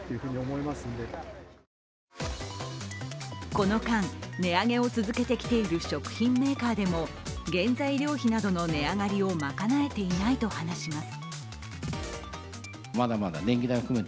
この間、値上げを続けてきている食品メーカーでも原材料費などの値上がりを賄えていないと話します。